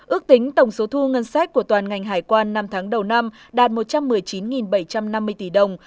ước tính tổng số thu ngân sách của toàn ngành hải quan năm tháng đầu năm đạt một trăm một mươi chín bảy trăm năm mươi tỷ đồng